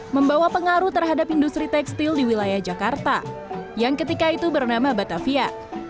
membawa pengaruh terhadap industri tekstil di wilayah jakarta yang ketika itu bernama batavia